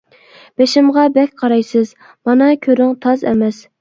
بېشىمغا بەك قارايسىز، مانا كۆرۈڭ تاز ئەمەس.